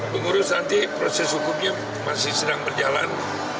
pengurus nanti proses hukumnya masih sedang berjalan